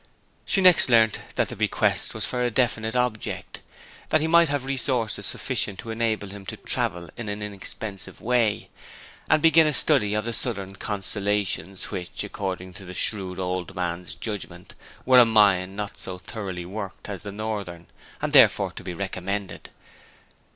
She next learnt that the bequest was for a definite object that he might have resources sufficient to enable him to travel in an inexpensive way, and begin a study of the southern constellations, which, according to the shrewd old man's judgment, were a mine not so thoroughly worked as the northern, and therefore to be recommended.